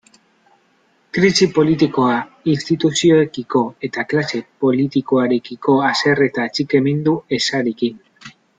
Krisi politikoa, instituzioekiko eta klase politikoarekiko haserre eta atxikimendu ezarekin.